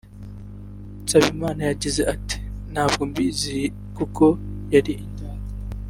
Nsabimana yagize ati “Ntabwo mbizi kuko yari indara